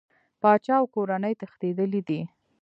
پاچا او کورنۍ تښتېدلي دي.